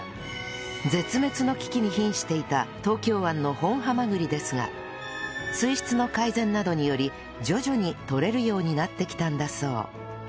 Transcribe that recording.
絶滅の危機に瀕していた東京湾の本ハマグリですが水質の改善などにより徐々に採れるようになってきたんだそう